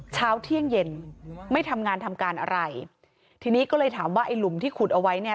เช้าเที่ยงเย็นไม่ทำงานทำการอะไรทีนี้ก็เลยถามว่าไอ้หลุมที่ขุดเอาไว้เนี่ย